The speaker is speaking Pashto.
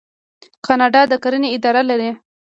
کاناډا د کرنې اداره لري.